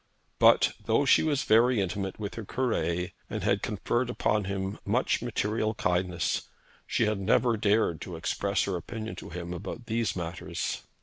But, though she was very intimate with her Cure, and had conferred upon him much material kindness, she had never dared to express her opinion to him upon these matters.